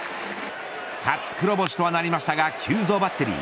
初黒星とはなりましたが急造バッテリー。